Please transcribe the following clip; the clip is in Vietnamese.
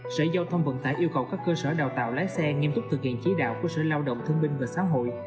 sở giao thông vận tải yêu cầu các cơ sở đào tạo lái xe nghiêm túc thực hiện chí đạo của sở lao động thương binh và xã hội